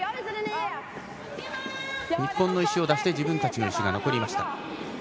日本の石を出して自分たちの石が残りました。